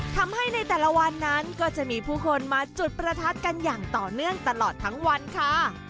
ทำให้ในแต่ละวันนั้นก็จะมีผู้คนมาจุดประทัดกันอย่างต่อเนื่องตลอดทั้งวันค่ะ